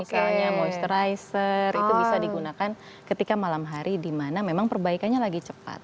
misalnya moisturizerer itu bisa digunakan ketika malam hari dimana memang perbaikannya lagi cepat